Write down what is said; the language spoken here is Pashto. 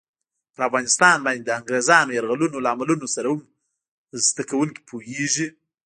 پر افغانستان باندې د انګریزانو یرغلونو لاملونو سره هم زده کوونکي پوهېږي.